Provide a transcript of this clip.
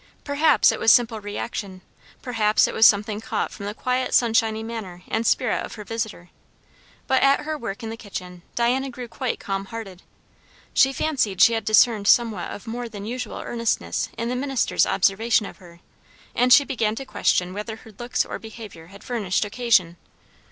Perhaps it was simple reaction; perhaps it was something caught from the quiet sunshiny manner and spirit of her visitor; but at her work in the kitchen Diana grew quite calm hearted. She fancied she had discerned somewhat of more than usual earnestness in the minister's observation of her, and she began to question whether her looks or behaviour had furnished occasion.